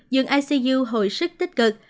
dường icu hồi sức tích cực